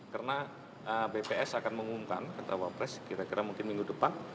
karena bps akan mengumumkan kata wakil presiden kira kira mungkin minggu depan